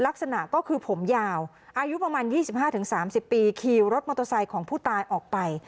ลักษณะก็คือผมยาวอายุประมาณ๒๕๓๐ปีขี่รถมอเตอร์ไซค์ของผู้ตายออกไป